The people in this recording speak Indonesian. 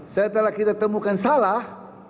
setelah kita temukan salah